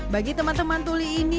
bagi teman teman tuli ini